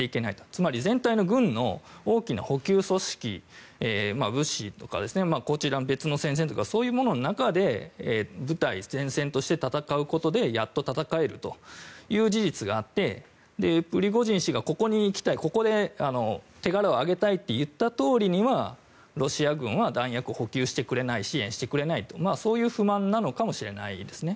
つまり全体の軍の大きな補給組織物資とか、別の戦線とかそういうものの中で部隊、前線として戦うことでやっと戦える事実があってプリゴジン氏がここで手柄を上げたいといったとおりにはロシア軍は弾薬補給や支援をしてくれないというそういう不満なのかもしれないですね。